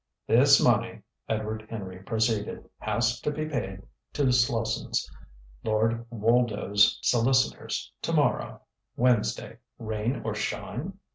"This money," Edward Henry proceeded, "has to be paid to Slossons, Lord Woldo's solicitors, to morrow, Wednesday, rain or shine?"